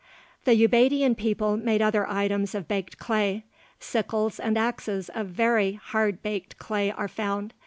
The Ubaidian people made other items of baked clay: sickles and axes of very hard baked clay are found.